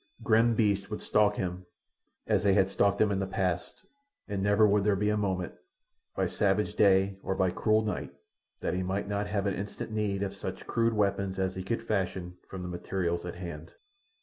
Grim beasts would stalk him, as they had stalked him in the past, and never would there be a moment, by savage day or by cruel night, that he might not have instant need of such crude weapons as he could fashion from the materials at hand.